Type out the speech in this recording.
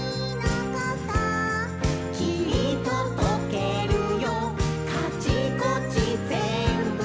「きっと溶けるよカチコチぜんぶ」